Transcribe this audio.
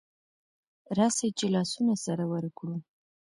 راسئ چي لاسونه سره ورکړو